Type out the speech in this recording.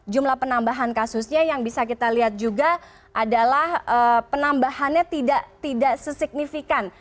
jumlah penambahan kasusnya yang bisa kita lihat juga adalah penambahannya tidak sesignifikan